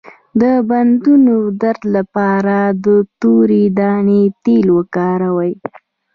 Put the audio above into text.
د بندونو درد لپاره د تورې دانې تېل وکاروئ